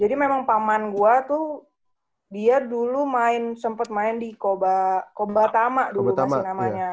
jadi memang paman gue tuh dia dulu sempet main di koba tama dulu masih namanya